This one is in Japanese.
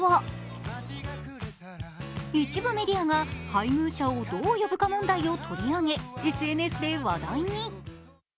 一部メディアが、配偶者をどう呼ぶか問題を取り上げＳＮＳで話題に。